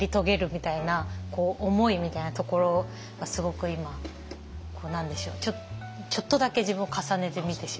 みたいな思いみたいなところはすごく今何でしょうちょっとだけ自分を重ねて見てしまいました。